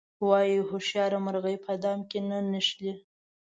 وایي هوښیاره مرغۍ په دام کې نه نښلي.